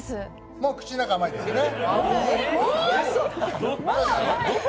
もう口の中、甘いですね。